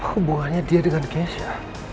apa hubungannya dia dengan keisha